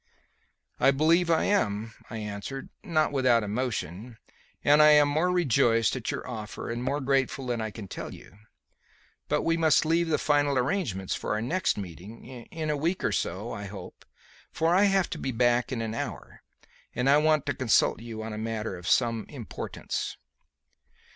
"I believe I am," I answered, not without emotion; "and I am more rejoiced at your offer and more grateful than I can tell you. But we must leave the final arrangements for our next meeting in a week or so, I hope for I have to be back in an hour, and I want to consult you on a matter of some importance."